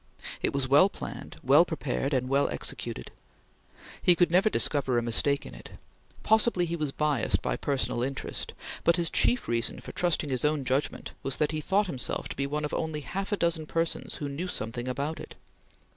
It was well planned, well prepared, and well executed. He could never discover a mistake in it. Possibly he was biassed by personal interest, but his chief reason for trusting his own judgment was that he thought himself to be one of only half a dozen persons who knew something about it.